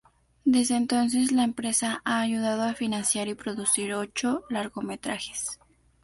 Desde entonces, la empresa ha ayudado a financiar y producir ocho largometrajes.